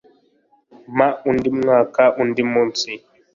Mpa undi mwaka undi munsi